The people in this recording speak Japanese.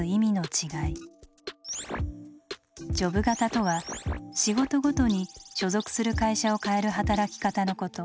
ジョブ型とは仕事ごとに所属する会社を変える働き方のこと。